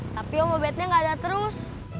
tapi omcomebet nya gak ada terus